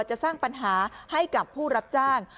จะสร้างปัญหาให้กับผู้รับจ้าง